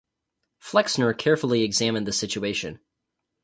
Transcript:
Flexner carefully examined the situation.